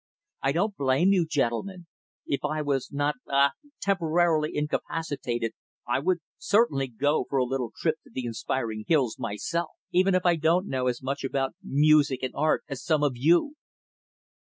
I don't blame you, gentlemen if I was not ah temporarily incapacitated I would certainly go for a little trip to the inspiring hills myself. Even if I don't know as much about music and art as some of you."